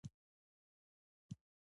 ترموز له شیدو سره هم کارېږي.